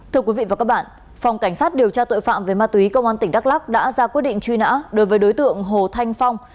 thưa quý vị và các bạn phòng cảnh sát điều tra tội phạm về ma túy công an tỉnh đắk lắc đã ra quyết định truy nã đối với đối tượng hồ thanh phong